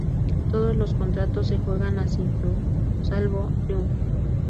Todos los "contratos" se juegan a sin triunfo salvo "triunfo".